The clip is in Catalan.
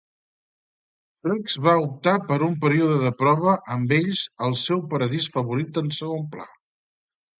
Flex va optar per un període de prova amb ells al seu paradís favorit en segon pla.